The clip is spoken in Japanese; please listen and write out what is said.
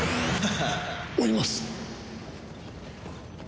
追います！